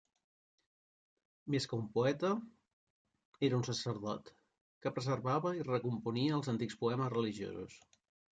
Més que un poeta era un sacerdot que preservava i recomponia els antics poemes religiosos.